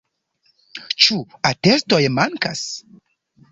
Ĉu atestoj mankas?